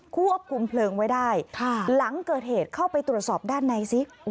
ควบคุมเพลิงไว้ได้หลังเกิดเหตุเข้าไปตรวจสอบด้านในซิ